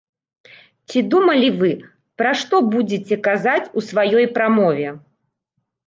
Ці думалі вы, пра што будзеце казаць у сваёй прамове?